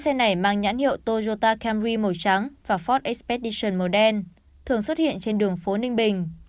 cái xe này mang nhãn hiệu toyota camry màu trắng và ford expedition màu đen thường xuất hiện trên đường phố ninh bình